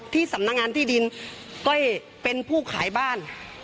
ที่สำนักงานที่ดินก้อยเป็นผู้ขายบ้าน